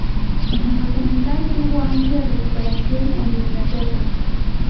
El documental tuvo amplia repercusión en Inglaterra.